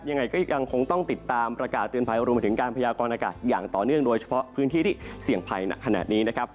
ยังไงก็ยังคงต้องติดตามประกาศเตือนภัยรวมไปถึงการพยากรณากาศอย่างต่อเนื่องโดยเฉพาะพื้นที่ที่เสี่ยงภัยหนักขนาดนี้นะครับ